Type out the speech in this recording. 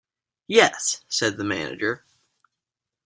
"Yes," said the manager.